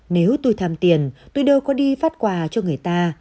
nếu tôi thăm tiền tôi đâu có đi phát quà cho người ta